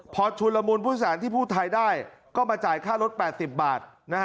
พอชุนละมุนผู้โดยสารที่พูดไทยได้ก็มาจ่ายค่ารถ๘๐บาท